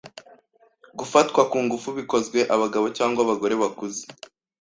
Gufatwa ku ngufu bikozwe abagabo cg abagore bakuze